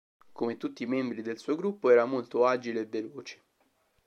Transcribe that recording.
Come tutti i membri del suo gruppo era molto agile e veloce.